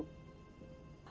aku mohon kepadamu